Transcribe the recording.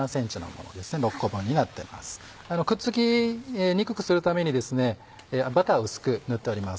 くっつきにくくするためにバターを薄く塗ってあります。